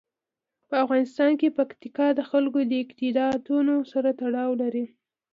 په افغانستان کې پکتیکا د خلکو د اعتقاداتو سره تړاو لري.